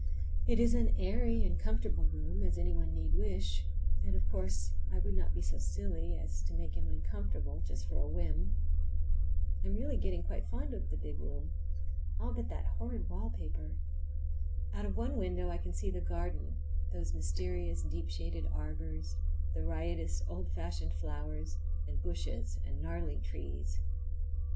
It is as airy and comfortable a room as any one need wish, and, of course, I would not be so silly as to make him uncomfortable just for a whim. I'm really getting quite fond of the big room, all but that horrid paper. Out of one window I can see the garden, those mysterious deep shaded arbors, the riotous old fashioned flowers, and bushes and gnarly trees.